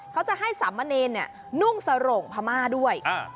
เขาจะให้สามะเนนเนี่ยนุ่งสร่งพม่าด้วย